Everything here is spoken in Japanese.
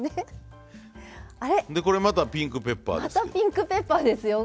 あれっ？でこれまたピンクペッパーです。